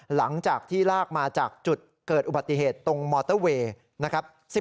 หลังจากที่ลากมาจากจุดเกิดอุบัติเหตุตรงมอเตอร์เวย์นะครับ